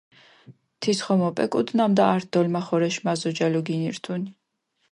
თის ხომ ოპეკუდჷ ნამდა ართ დოლმახორეშ მაზოჯალო გინირთუნ.